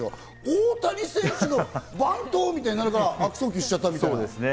大谷選手がバント？みたいになるから悪送球しちゃった。